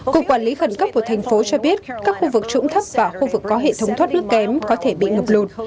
cục quản lý khẩn cấp của thành phố cho biết các khu vực trũng thấp và khu vực có hệ thống thoát nước kém có thể bị ngập lụt